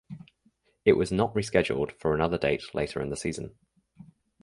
It was not rescheduled for another date later in the season.